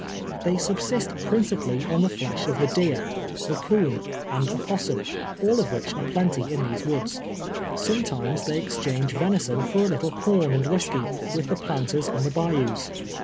They subsist princi pally on the flesh of the deer, the coon, gend opos sum, all ot' which are plenty in these woods. Some times they exchange venison for a little corn and whisky with the planters on the bayous.